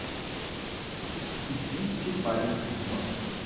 І двісті валяних гнотів.